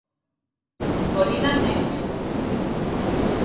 Corinna ten medo.